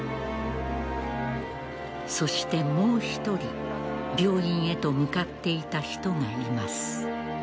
そしてもう１人病院へと向かっていた人がいます。